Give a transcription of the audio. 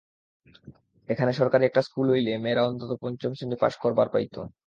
এখানে সরকারি একটা স্কুল অইলে মেয়েরা অন্তত পঞ্চম শ্রেণি পাস করবার পাইত।